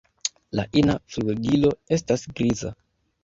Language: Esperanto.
La ina flugilo estas griza.